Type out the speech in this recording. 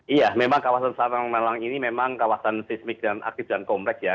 iya memang kawasan sarang malang ini memang kawasan seismik dan aktif dan kompleks ya